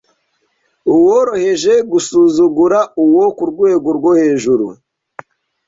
uworoheje gusuzugura uwo ku rwego rwo hejuru